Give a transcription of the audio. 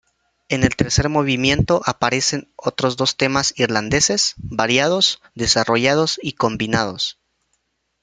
En el tercer movimiento aparecen otros dos temas irlandeses, variados, desarrollados y combinados.